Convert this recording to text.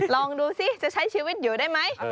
ลองดูสิจะใช้ชีวิตอยู่ได้ไหม